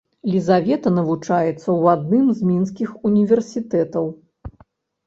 Лізавета навучаецца ў адным з мінскіх універсітэтаў.